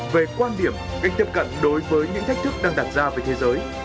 về quan điểm cách tiếp cận đối với những thách thức đang đặt ra với thế giới